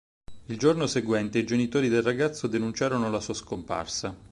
Il giorno seguente i genitori del ragazzo denunciarono la sua scomparsa.